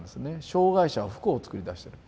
障害者は不幸を作り出してる。